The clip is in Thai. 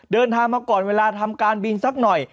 เดินทางมาก่อนเวลาทำการบินสักหน่อย